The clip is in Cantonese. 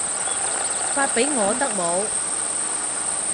發畀我得冇